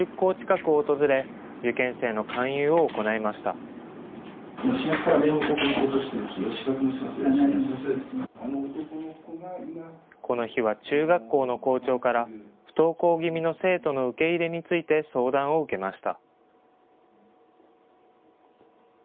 この日は中学校の校長から、不登校気味の生徒の受け入れについて相談を受けました。